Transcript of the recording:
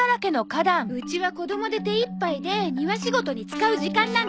うちは子どもで手いっぱいで庭仕事に使う時間なんてないの！